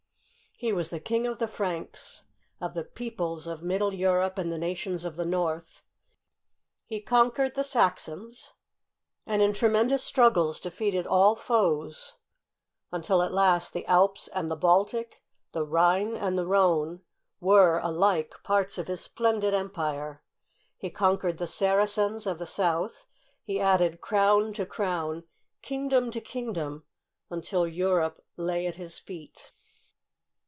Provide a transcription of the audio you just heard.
He was King of the Franks, of the peoples of Middle Europe and the nations of the North; he conquered the Saxons, and in tremendous struggles defeated all foes, until at last the Alps and the Baltic, the Rhine and the Rhone, were alike parts of his splendid empire. He conquered the Saracens of the South ; he added crown to crown, kingdom to kingdom, until Europe lay at his feet.